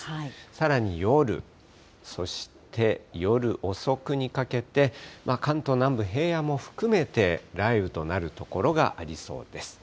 さらに夜、そして夜遅くにかけて、関東南部、平野も含めて、雷雨となる所がありそうです。